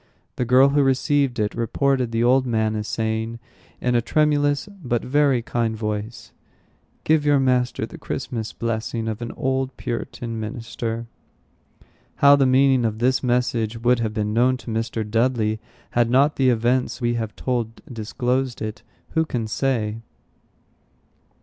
The girl who received it reported the old man as saying, in a tremulous, but very kind voice, "Give your master the Christmas blessing of an old Puritan minister." How the meaning of this message would have been known to Mr. Dudley, had not the events we have told disclosed it, who can say?